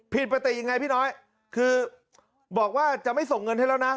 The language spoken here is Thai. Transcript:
ผิดปกติยังไงพี่น้อยคือบอกว่าจะไม่ส่งเงินให้แล้วนะ